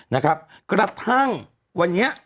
นะครับกระทั่งวันนี้